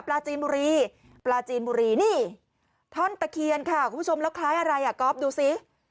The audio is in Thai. ปลาจีนบุรีปลาจีนบุรีนี่ท่อนตะเคียนค่ะคุณผู้ชมแล้วคล้ายอะไรอ่ะก๊อฟดูสิ